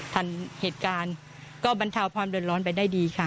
ทันเหตุการณ์ก็บรรเทาความเดือดร้อนไปได้ดีค่ะ